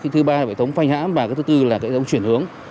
thứ ba là hệ thống phanh hãm và cái thứ tư là hệ thống chuyển hướng